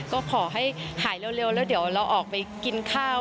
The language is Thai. ก็ขอให้หายเร็วแล้วเดี๋ยวเราออกไปกินข้าว